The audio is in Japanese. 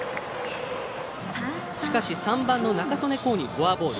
しかし３番の仲宗根皐にフォアボール。